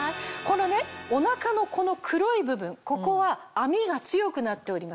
このねお腹の黒い部分ここは編みが強くなっております。